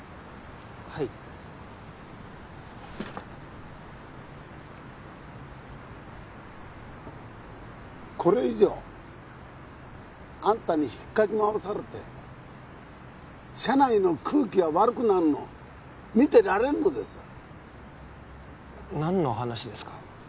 はいこれ以上あんたにひっかき回されて社内の空気が悪くなるの見てられんのです何の話ですか？